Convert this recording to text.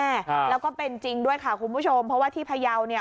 ครับแล้วก็เป็นจริงด้วยค่ะคุณผู้ชมเพราะว่าที่พยาวเนี่ย